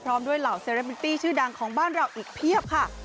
พร้อมด้วยเหล่าเซเรมินตี้ชื่อดังของบ้านเราอีกเพียบค่ะ